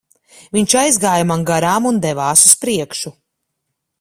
Viņš aizjāja man garām un devās uz priekšu.